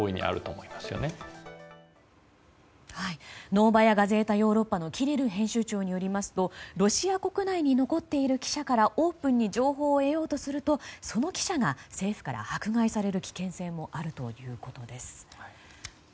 ノーバヤ・ガゼータ・ヨーロッパのキリル編集長によりますとロシア国内に残っている記者からオープンに情報を得ようとするとその記者が政府から迫害される危険性もあるということです。